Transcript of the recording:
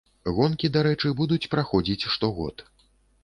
Гонкі, дарэчы, будуць праходзіць штогод.